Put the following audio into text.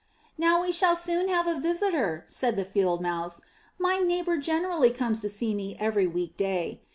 "Now we shall soon have a visitor," said the Field Mouse; "my neighbour generally comes to see me every week day.